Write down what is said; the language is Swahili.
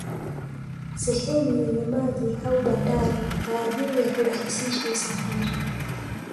Sehemu yenye maji au bandari kwa ajili ya kurahisisha usafiri